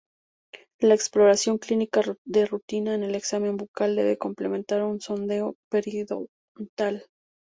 La exploración clínica de rutina en el examen bucal debe contemplar un sondeo periodontal.